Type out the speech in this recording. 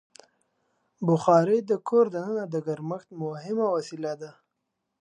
بخاري د کور دننه د ګرمښت مهمه وسیله ده.